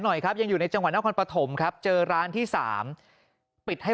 หน่อยครับยังอยู่ในจังหวัดนครปฐมครับเจอร้านที่สามปิดให้